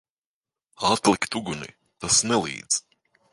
Atlikt uguni! Tas nelīdz.